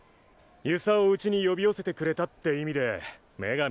遊佐をウチに呼び寄せてくれたって意味で女神。